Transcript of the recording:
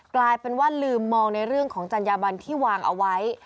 กลายเป็นว่าลืมมองในเรื่องของจัญญาบันที่วางเอาไว้